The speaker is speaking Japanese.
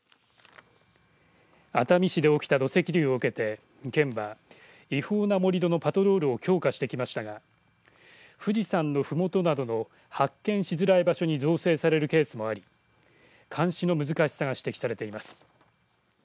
熱海市で起きた土石流を受けて県は違法な盛り土のパトロールを強化してきましたが富士山のふもとなどの発見しづらい場所に造成されるケースもあり監視の難しさが指摘されています。